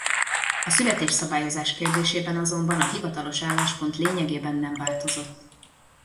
A születésszabályozás kérdésében azonban a hivatalos álláspont lényegében nem változott.